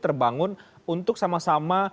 terbangun untuk sama sama